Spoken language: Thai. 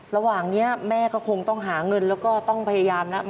ระหว่างนี้แม่ก็คงต้องหาเงินแล้วก็ต้องพยายามนะ